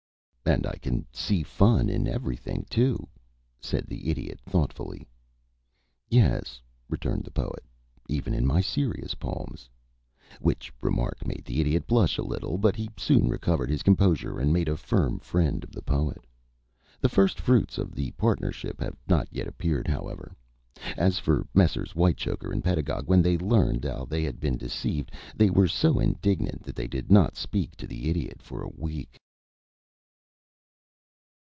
"And I can see fun in everything, too," said the Idiot, thoughtfully. "Yes," returned the Poet. "Even in my serious poems." Which remark made the Idiot blush a little, but he soon recovered his composure and made a firm friend of the Poet. The first fruits of the partnership have not yet appeared, however. As for Messrs. Whitechoker and Pedagog, when they learned how they had been deceived, they were so indignant that they did not speak to the Idiot for a week.